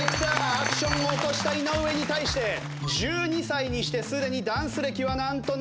アクションを起こした井上に対して１２歳にしてすでにダンス歴はなんと７年！